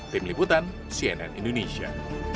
tim liputan cnn indonesia